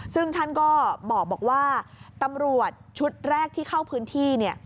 ซึ่งท่านก็บอกว่าตำรวจชุดแรกที่เข้าพื้นที่เนี่ย